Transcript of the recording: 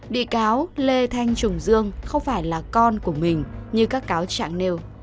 bị cáo lê thanh trùng dương không phải là con của mình như các cáo trạng nêu